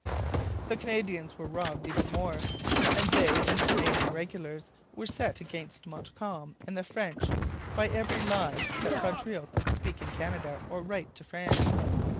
The Canadians were robbed even more; and they and the Canadian regulars were set against Montcalm and the French by every lie that Vaudreuil could speak in Canada or write to France.